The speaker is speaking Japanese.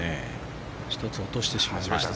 １つ落としてしまいました。